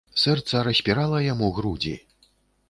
Сэрца распірала яму грудзі.